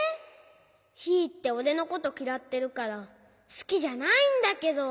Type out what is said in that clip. ヒーっておれのこときらってるからすきじゃないんだけど。